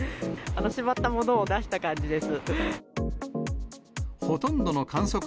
しまったものを出した感じです。